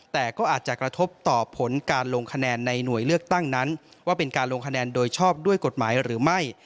แต่ก็อาจจะกระทบต่อผลการลงคะแนนในหน่วยเลือกตั้งนั้นว่าเป็นการลงคะแนนโดยชอบด้วยกฎหมายหรือไม่